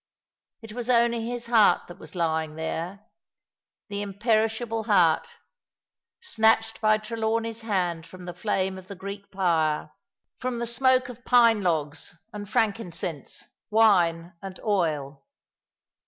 It was only his heart that was lying there, the imperishable heart, snatched by Trelawncy's hand from the flame of the Greek pyre, from the smoke of pine logs and frankincense, wine and oil.